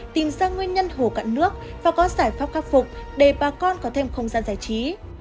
tìm ra nguyên nhân hồ cạn nước và có giải pháp khắc phục để bà con có thêm không gian giải trí